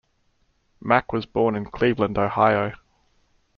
Mack was born in Cleveland, Ohio.